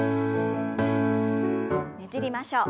ねじりましょう。